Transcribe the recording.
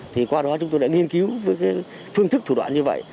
thì qua đó chúng tôi đã nghiên cứu với cái phương thức thủ đoạn như vậy